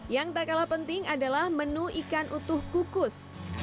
yang penting adalah menu ikan utuh kukus